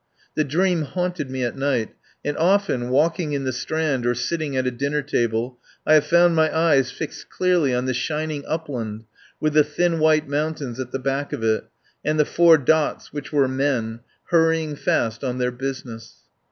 The dream haunted me at night, and often, walk ing in the Strand or sitting at a dinner table, I have found my eyes fixed clearly on the shin ing upland with the thin white mountains at the back of it, and the four dots, which were men, hurrying fast on their business.